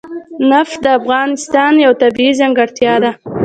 نفت د افغانستان یوه طبیعي ځانګړتیا ده.